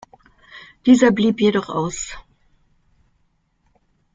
Dieser blieb jedoch aus.